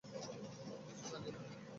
আমি কিছু জানি না, পোন্নি।